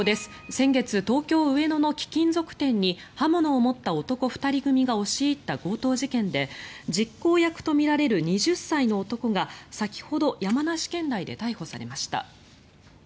先月、東京・上野の貴金属店に刃物を持った男２人組が押し入った強盗事件で実行役とみられる２０歳の男が先ほど山梨県内で逮捕されました。